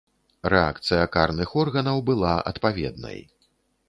Рэакцыя карных органаў была адпаведнай.